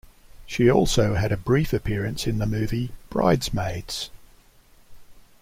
She also had a brief appearance in the movie "Bridesmaids".